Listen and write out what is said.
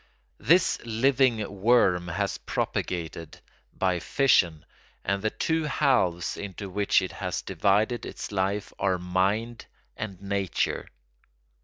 This living worm has propagated by fission, and the two halves into which it has divided its life are mind and nature.